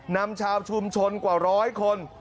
นำชาวชุมชนกว่าร้อยคน